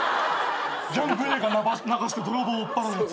ギャング映画流して泥棒追っ払うやつ。